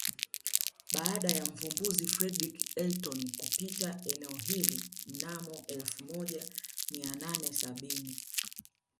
Baada ya Mvumbuzi Fredrick Elton kupita eneo hili mnamo elfu moja mia nane sabini